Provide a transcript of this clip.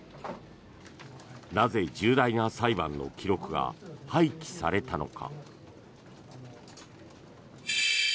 なぜ重大な裁判の記録が廃棄されたのか。